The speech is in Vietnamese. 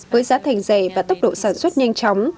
với giá thành dày và tốc độ sản xuất nhanh chóng